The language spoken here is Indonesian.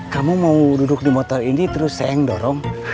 kamu mau duduk di motor ini terus saya yang dorong